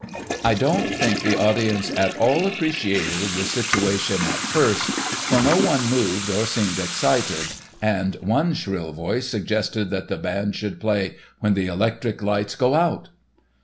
I don't the think the audience at all appreciated the situation at first, for no one moved or seemed excited, and one shrill voice suggested that the band should play "When the electric lights go out."